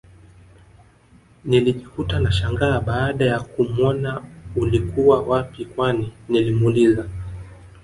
Nilijikuta nashangaa baada ya kumuona ulikuwa wapii kwanii nilimuuliza